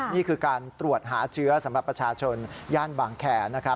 นี่คือการตรวจหาเชื้อสำหรับประชาชนย่านบางแคร์